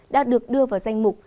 đã được đưa vào danh mục